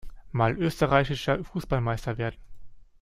Mal Österreichischer Fußballmeister werden.